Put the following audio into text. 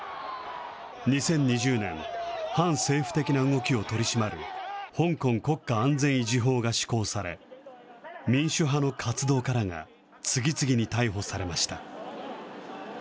２０２０年、反政府的な動きを取り締まる香港国家安全維持法が施行され、民主派の活動家らが次々に逮捕されました。